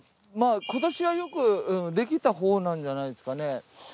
まあ今年はよくできたほうなんじゃないですかね。